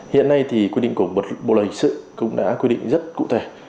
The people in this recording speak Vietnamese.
hiện nay thì quy định của bộ luật hình sự cũng đã quy định rất cụ thể